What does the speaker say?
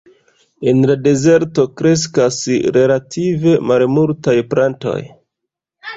En la dezerto kreskas relative malmultaj plantoj.